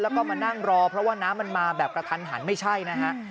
แล้วก็มานั่งรอเพราะว่าน้ำมันมาแบบกระทันหันไม่ใช่นะฮะ